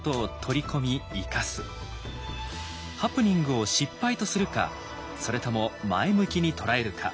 ハプニングを失敗とするかそれとも前向きに捉えるか